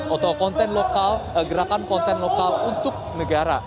atau konten lokal gerakan konten lokal untuk negara